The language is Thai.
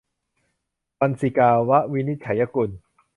วัสสิกา - ว วินิจฉัยกุล